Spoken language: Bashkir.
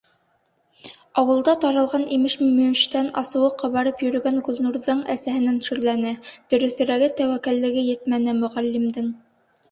Ауылда таралған имеш-мимештән асыуы ҡабарып йөрөгән Гөлнурҙың әсәһенән шөрләне, дөрөҫөрәге, тәүәккәллеге етмәне Мөғәллимдең.